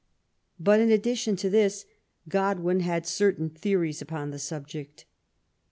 Hut, in addition to this^ Godwin had certain theories upon the subject.